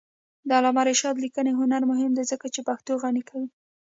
د علامه رشاد لیکنی هنر مهم دی ځکه چې پښتو غني کوي.